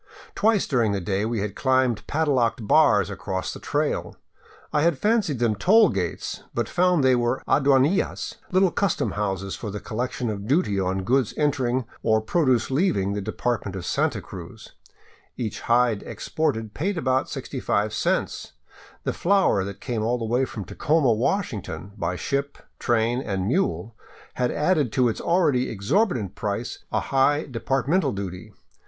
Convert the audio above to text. Twice during the day we had climbed padlocked bars across the trail. I had fancied them toll gates, but found they were aduanillas, little custom houses for the collection of duty on goods entering, or produce leaving the department of Santa Cruz, Each hide exported paid about 65 cents; the flour that had come all the way from Tacoma, Washington, by ship, train, and mule had added to its already exorbitant price a high departmental duty.